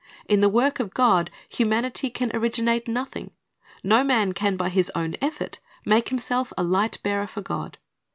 In the work of God, humanity can originate nothing. No man can by his own effort make himself a light bearer for God.